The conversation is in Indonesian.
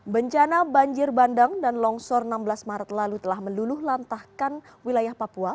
bencana banjir bandang dan longsor enam belas maret lalu telah meluluh lantahkan wilayah papua